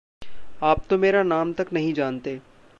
आप तो मेरा नाम तक नहीं जानते।